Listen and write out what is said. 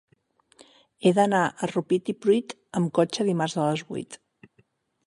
He d'anar a Rupit i Pruit amb cotxe dimarts a les vuit.